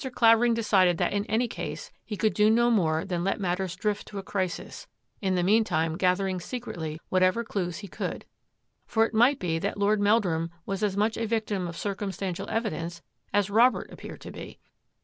Clavering decided that in any case he could do no more than let matters drift to a crisis, in the meantime gathering secretly whatever clues he could ; for it might be that Lord Meldrum was as much a victim of circumstantial evidence as Robert appeared to be.